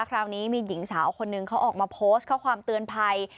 คราวนี้มีหญิงสาวคนนึงเขาออกมาโพสต์ข้อความเตือนภัย